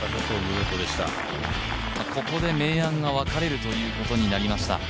ここで明暗が分かれるということになりました。